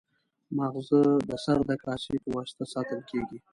ماغزه د سر د کاسې په واسطه ساتل کېږي.